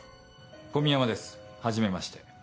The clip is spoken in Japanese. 小宮山ですはじめまして。